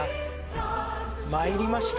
参りました。